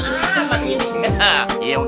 hah kayak gini